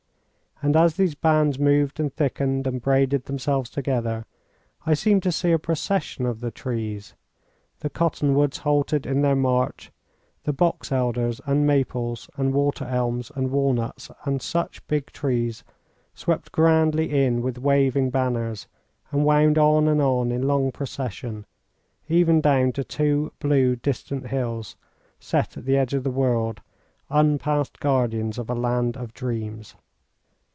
And as these bands moved and thickened and braided themselves together, I seemed to see a procession of the trees. The cottonwoods halted in their march. The box elders, and maples, and water elms, and walnuts and such big trees swept grandly in with waving banners, and wound on and on in long procession, even down to two blue distant hills set at the edge of the world, unpassed guardians of a land of dreams.